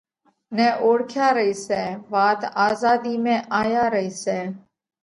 نئہ اوۯکيا رئِي سئہ! وات آزاڌِي ۾ آيا رئِي سئہ!